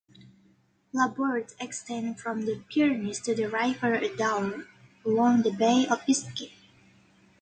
Labourd extends from the Pyrenees to the river Adour, along the Bay of Biscay.